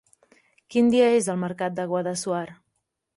Quin dia és el mercat de Guadassuar?